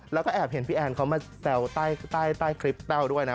แล้วก็แอบเห็นพี่แอนเขามาแซวใต้คลิปแต้วด้วยนะ